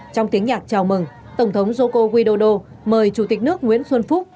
trong tiếng nhạc chào mừng tổng thống joko widodo mời chủ tịch nước nguyễn xuân phúc